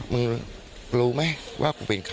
มึงรู้ไหมว่ากูเป็นใคร